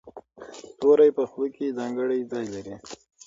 توری په خوله کې ځانګړی ځای لري.